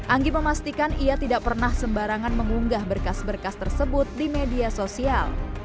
anggi memastikan ia tidak pernah sembarangan mengunggah berkas berkas tersebut di media sosial